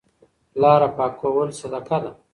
لاره پاکول صدقه ده.